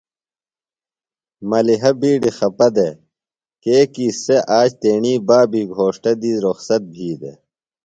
ملِیحہ بِیڈیۡ خپہ دےۡ کیکیۡ سےۡ آج تیݨی بابی گھوݜٹہ دی رخصت بھی دےۡ۔